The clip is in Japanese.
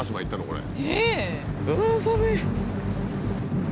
これ。